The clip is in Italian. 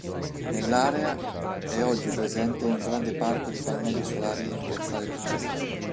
Nell'area è oggi presente un grande parco di pannelli solari nel piazzale principale.